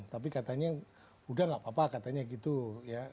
tapi katanya udah gak apa apa katanya gitu ya